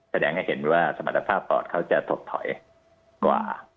แสดงให้เห็นว่าสมรรถภาพปอดเขาจะถดถอยกว่า